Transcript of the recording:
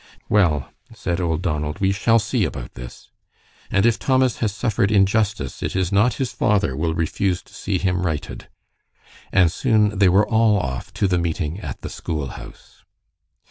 "Well," said old Donald, "we shall see about this. And if Thomas has suffered injustice it is not his father will refuse to see him righted." And soon they were all off to the meeting at the school house.